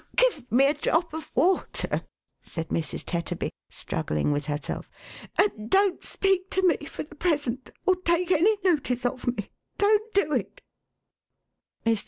11 " Gi've me a drop of water,11 said Mrs. Tetterby, struggling with herself, "and don't speak to me for the present, or take any notice of me. Don't do it